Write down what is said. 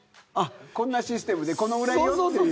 こんなシステムでこのぐらいよっていう。